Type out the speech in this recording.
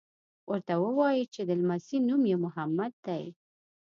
ورته ووایي چې د لمسي نوم یې محمد دی.